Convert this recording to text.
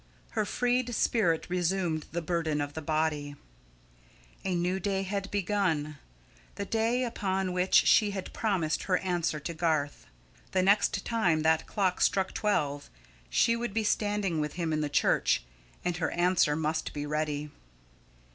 Her freed spirit resumed the burden of the body. A new day had begun, the day upon which she had promised her answer to Garth. The next time that clock struck twelve she would be standing with him in the church, and her answer must be ready.